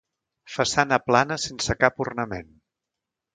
Façana plana sense cap ornament.